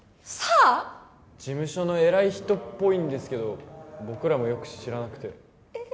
事務所の偉い人っぽいんですけど僕らもよく知らなくてええ